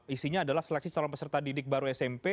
isinya adalah seleksi calon peserta didik baru smp